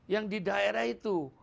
yang di daerah itu